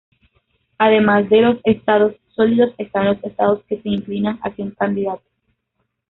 Además de los estados "sólidos", están los estados que se "inclinan" hacia un candidato.